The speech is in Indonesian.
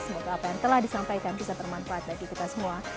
semoga apa yang telah disampaikan bisa bermanfaat bagi kita semua